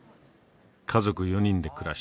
家族４人で暮らしている。